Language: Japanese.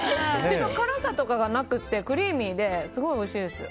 でも辛さとかがなくてクリーミーでおいしいです。